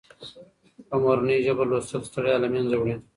په مورنۍ ژبه لوستل ستړیا له منځه وړي.